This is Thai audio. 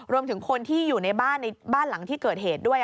รวมถึงคนที่อยู่ในบ้านในบ้านหลังที่เกิดเหตุด้วย